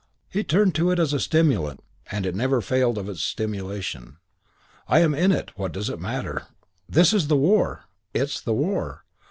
He turned to it as stimulant and it never failed of its stimulation. "I'm in it. What does this matter? This is the war. It's the war.